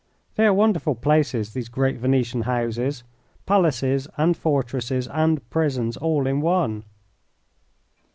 They are wonderful places, these great Venetian houses, palaces, and fortresses, and prisons all in one.